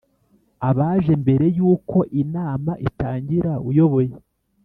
abaje Mbere y uko inama itangira uyoboye